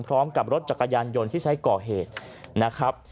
พร้อมกับรถจักรยานยนต์ที่ใช้ก่อเหตุนะครับ